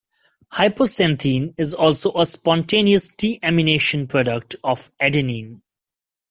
Hypoxanthine is also a spontaneous deamination product of adenine.